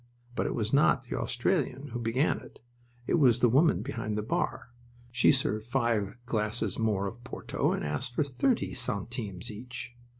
But it was not the Australian who began it. It was the woman behind the bar. She served five glasses more of porto and asked for thirty centimes each.